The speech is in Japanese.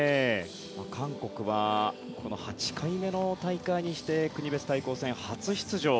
韓国は８回目の大会にして国別対抗戦、初出場。